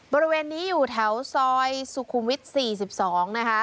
บริเวณนี้อยู่แถวซอยสุขุมวิทย์๔๒นะคะ